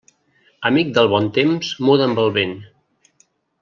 Amic del bon temps muda amb el vent.